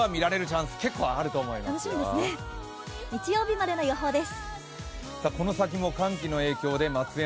日曜日までの予報です。